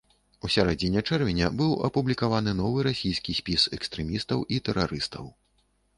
У сярэдзіне чэрвеня быў апублікаваны новы расійскі спіс экстрэмістаў і тэрарыстаў.